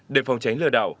để phòng tránh lừa đảo